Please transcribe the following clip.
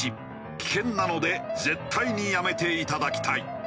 危険なので絶対にやめていただきたい。